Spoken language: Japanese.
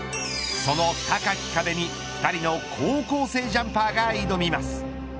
その高き壁に２人の高校生ジャンパーが挑みます。